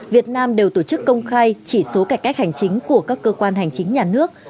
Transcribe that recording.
việt nam đều tổ chức công khai chỉ số cải cách hành chính của các cơ quan hành chính nhà nước